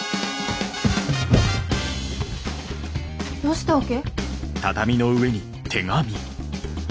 どうしたわけ？